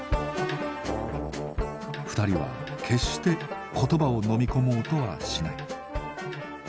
２人は決して言葉をのみこもうとはしない。